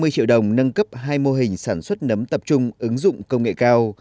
năm mươi triệu đồng nâng cấp hai mô hình sản xuất nấm tập trung ứng dụng công nghệ cao